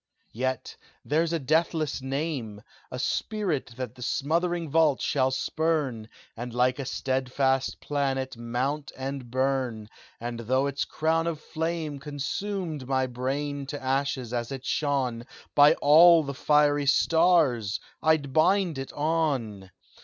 "Yet there's a deathless name! A spirit that the smothering vault shall spurn, And like a steadfast planet mount and burn; And though its crown of flame Consumed my brain to ashes as it shone, By all the fiery stars! I'd bind it on!